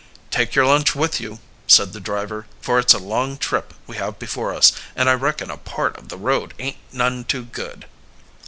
"Take your lunch with you," said the driver. "For it's a long trip we have before us, and I reckon a part of the road ain't none too good."